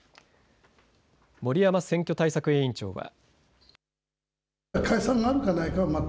森山選挙対策委員長は。